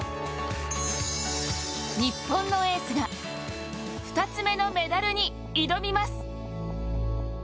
日本のエースが２つ目のメダルに挑みます。